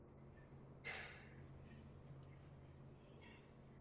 Přetrvává velký problém týkající se uprchlíků.